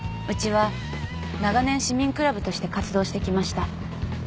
うちは長年市民クラブとして活動してきました。